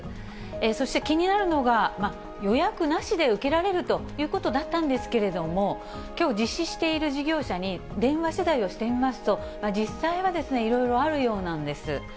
そして、気になるのが、予約なしで受けられるということだったんですけれども、きょう、実施している事業者に、電話取材をしてみますと、実際はいろいろあるようなんです。